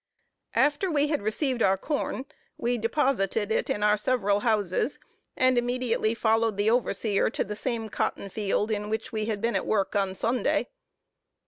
After we had received our corn, we deposited it in our several houses, and immediately followed the overseer to the same cotton field, in which we had been at work on Sunday.